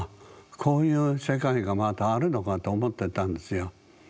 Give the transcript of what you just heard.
こういう世界がまだあるのかと思ってたんですよ。